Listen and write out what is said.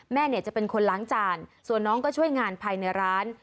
แม่เนี่ยจะเป็นคนล้างจานส่วนน้องก็ช่วยงานภายในร้าน